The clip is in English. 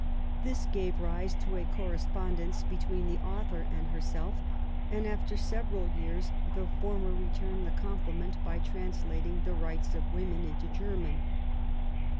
This gave rise to a corre spondence between the author and herself; and after several years the former returned the compliment by translating the Rights of Women into German.